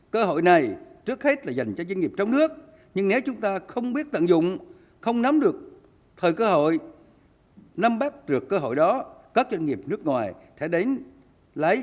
cơ hội này trước hết là dành cho doanh nghiệp trong nước nhưng nếu chúng ta không biết tận dụng không nắm được thời cơ hội nắm bắt được cơ hội đó các doanh nghiệp nước ngoài sẽ đến lấy